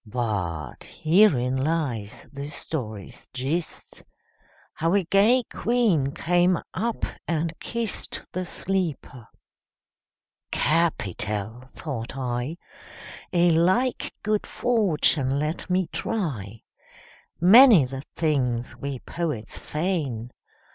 But herein lies the story's gist, How a gay queen came up and kist The sleeper. 'Capital!' thought I. 'A like good fortune let me try.' Many the things we poets feign.